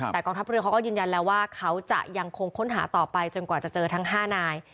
แต่กองทัพเรือเขาก็ยืนยันแล้วว่าเขาจะยังคงค้นหาต่อไปจนกว่าจะเจอทั้ง๕นาย